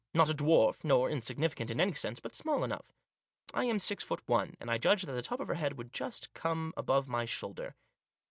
Not a dwarf, nor insignifi cant in any sense, but small enough. I am six foot one, and I judged that the top of her head would just come above my shoulder.